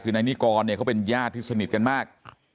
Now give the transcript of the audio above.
คือนายนิกรเนี่ยเขาเป็นญาติที่สนิทกันมาก